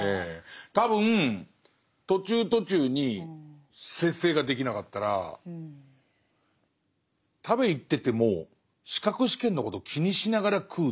多分途中途中に節制ができなかったら食べに行ってても資格試験のことを気にしながら食うっていう